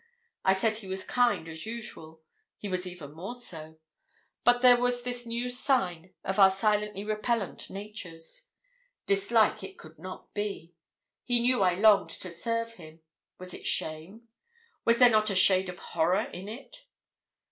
I said he was kind as usual. He was even more so. But there was this new sign of our silently repellant natures. Dislike it could not be. He knew I longed to serve him. Was it shame? Was there not a shade of horror in it?